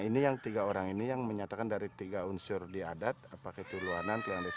ini yang tiga orang ini yang menyatakan dari tiga unsur diadat apakah itu luar nanti langsung